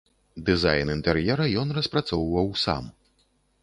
Дызайн інтэр'ера ён распрацоўваў сам.